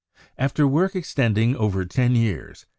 ... After work extending over ten years